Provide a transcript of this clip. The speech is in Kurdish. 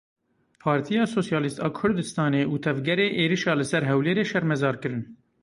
Partiya Sosyalîst a Kurdistanê û Tevgerê êrişa li ser Hewlerê şermezar kirin.